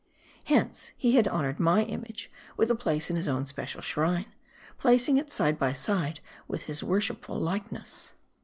Hence he had honored my image with a place in his own special shrine ; placing it side by side with his worshipful likeness.